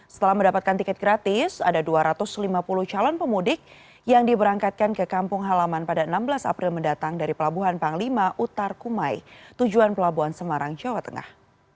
setelah mendapatkan tiket gratis ada dua ratus lima puluh calon pemudik yang diberangkatkan ke kampung halaman pada enam belas april mendatang dari pelabuhan panglima utar kumai tujuan pelabuhan semarang jawa tengah